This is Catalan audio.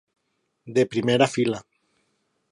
De primera fila.